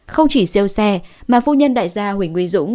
không chỉ siêu xe mà phụ nhân đại gia huỳnh nguyễn dũng